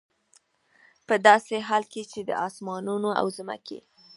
په داسي حال كي چي د آسمانونو او زمكي